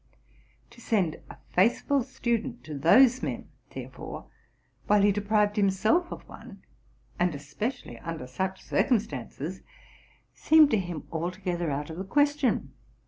To send a faithful student to those men, therefore, while he deprived himself of one, and especially under such circumstances, seemed to him altogether out of the question.